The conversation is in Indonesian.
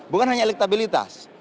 bukan hanya elektabilitas